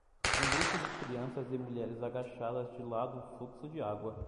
Um grupo de crianças e mulheres agachadas de lado um fluxo de água.